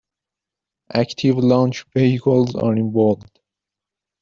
Active launch vehicles are in bold.